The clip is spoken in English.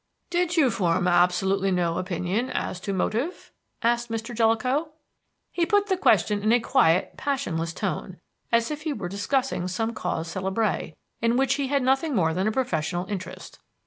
"Did you form absolutely no opinion as to motive?" asked Mr. Jellicoe. He put the question in a quiet, passionless tone, as if he were discussing some cause célèbre in which he had nothing more than a professional interest.